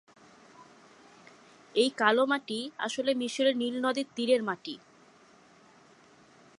এই কালো মাটি আসলে মিশরের নীল নদের তীরের মাটি।